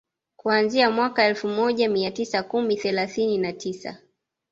Kuanzia mwaka Elfu moja mia tisa kumi thelathini na tisa